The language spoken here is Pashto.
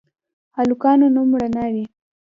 هلکانو نوم رڼا وي